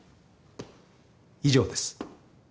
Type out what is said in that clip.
以上です。